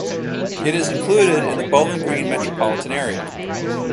It is included in the Bowling Green metropolitan area.